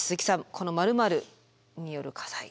この「○○による火災」。